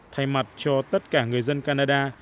thay mặt cho tất cả người dân canada